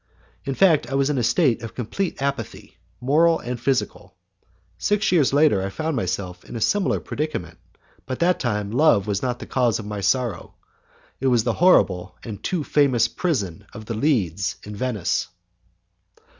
In fact I was in a state of complete apathy, moral and physical. Six years later I found myself in a similar predicament, but that time love was not the cause of my sorrow; it was the horrible and too famous prison of The Leads, in Venice.